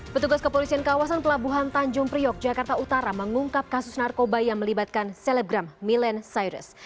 petugas kepolisian kawasan pelabuhan tanjung priok jakarta utara mengungkap kasus narkoba yang melibatkan selebgram milen cyrus